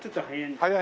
早い。